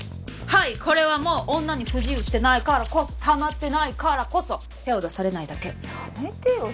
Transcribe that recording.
はいこれはもう女に不自由してないからこそたまってないからこそ手を出されないだけやめてよ